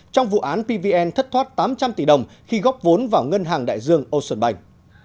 trong vụ án pvn thất thoát tám trăm linh tỷ đồng khi góp vốn vào ngân hàng đại dương âu xuân bành